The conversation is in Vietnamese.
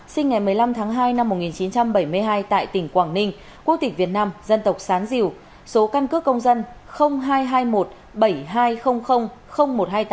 sinh ngày một mươi năm tháng hai năm một nghìn chín trăm bảy mươi hai tại tỉnh quảng ninh quốc tịch việt nam dân tộc sán diều số căn cước công dân hai hai một bảy hai một hai tám